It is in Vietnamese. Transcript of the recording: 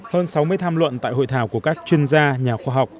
hơn sáu mươi tham luận tại hội thảo của các chuyên gia nhà khoa học